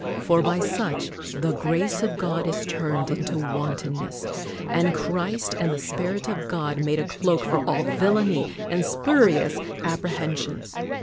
For by such "the grace of God is turned into wantonness," and Christ and the Spirit of God made a cloak for all villainy and spurious apprehensions.